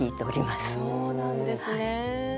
そうなんですね。